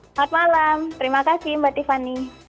selamat malam terima kasih mbak tiffany